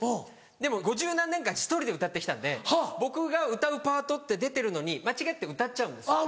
でも５０何年間１人で歌って来たんで僕が歌うパートって出てるのに間違って歌っちゃうんですよ。